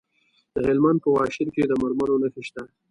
د هلمند په واشیر کې د مرمرو نښې شته.